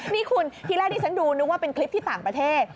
นี่คุณที่แรกที่ฉันดูนึกว่าเป็นคลิปที่ต่างประเทศ